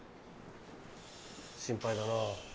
心配だなぁ。